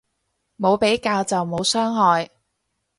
冇比較就冇傷害